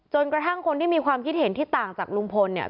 กระทั่งคนที่มีความคิดเห็นที่ต่างจากลุงพลเนี่ย